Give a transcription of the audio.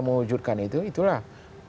mewujudkan itu itulah